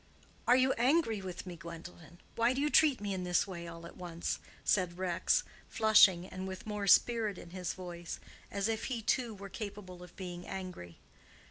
"Are you angry with me, Gwendolen? Why do you treat me in this way all at once?" said Rex, flushing, and with more spirit in his voice, as if he too were capable of being angry.